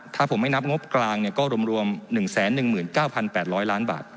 ถ้าผมไม่นับงบกลางก็รวม๑๑๙๘๐๐ล้านบาท